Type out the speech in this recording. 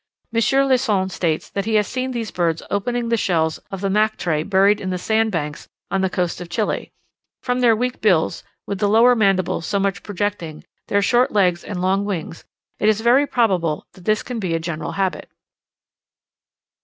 M. Lesson states that he has seen these birds opening the shells of the mactrae buried in the sand banks on the coast of Chile: from their weak bills, with the lower mandible so much projecting, their short legs and long wings, it is very improbable that this can be a general habit.